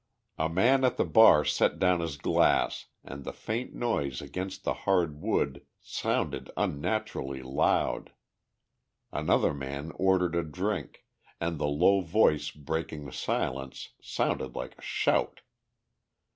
A man at the bar set down his glass and the faint noise against the hard wood sounded unnaturally loud. Another man ordered a drink, and the low voice breaking the silence sounded like a shout.